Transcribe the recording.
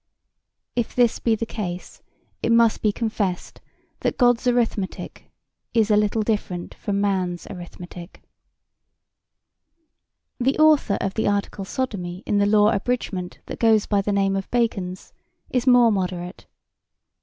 If this be the case it must be confessed that God's arithmetic is a little different from man's arithmetic. The author of the article Sodomy in the law abridgement that goes by the name of Bacon's is more moderate.